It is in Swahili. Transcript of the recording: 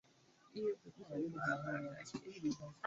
yalitokea madai yanayojulikana kwa jina la ukanaji ukimwi